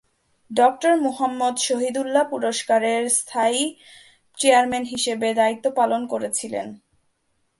Doctor Muhammad Shahidullah পুরস্কারের স্থায়ী chairman হিসাবে দায়িত্ব পালন করেছিলেন।